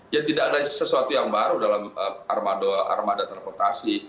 ya tidak ada sesuatu yang baru dalam armada transportasi